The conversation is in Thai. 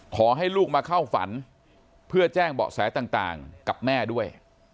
ขอให้ลูกมาเข้าฝันเพื่อแจ้งเบาะแสต่างกับแม่ด้วย